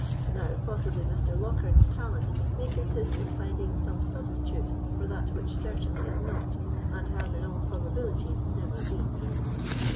Now, possibly Mr. Lockhard's talent may consist in finding some substitute for that which certainly is not, and has in all probability never been."